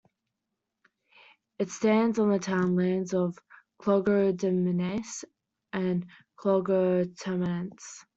It stands on the townlands of Clogher Demesne and Clogher Tenements.